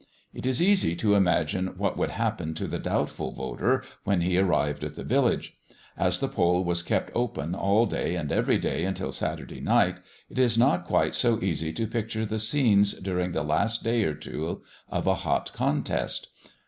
It is easy to imagine what would happen to the doubtful voter when he arrived at the village. As the poll was kept open all day and every day until Saturday night, it is not quite so easy to picture the scenes during the last day or two of a hot contest.